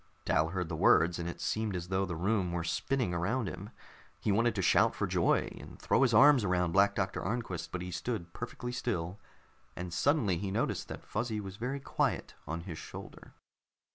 Dal heard the words, and it seemed as though the room were spinning around him. He wanted to shout for joy and throw his arms around Black Doctor Arnquist, but he stood perfectly still, and suddenly he noticed that Fuzzy was very quiet on his shoulder.